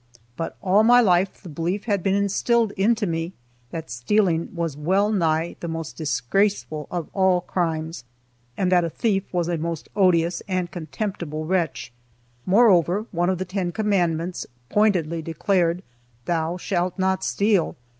But all my life the belief had been instilled into me that stealing was well nigh the most disgraceful of all crimes, and that a thief was a most odious and contemptible wretch. Moreover, one of the ten commandments "pintedly" declared. "Thou shalt not steal."